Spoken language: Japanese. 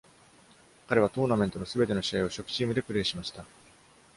彼はトーナメントのすべての試合を初期チームでプレーしました。